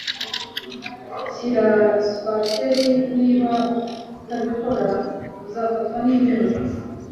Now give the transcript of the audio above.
Shyira swater Niba utabikora uzafatwa nimbeho